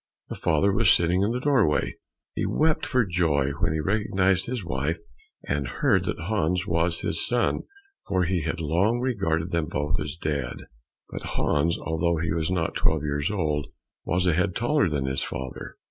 The father was sitting in the doorway. He wept for joy when he recognized his wife and heard that Hans was his son, for he had long regarded them both as dead. But Hans, although he was not twelve years old, was a head taller than his father.